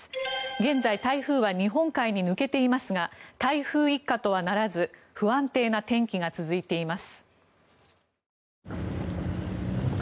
現在、台風は日本海に抜けていますが台風一過とはならず不安定な天気が続いています。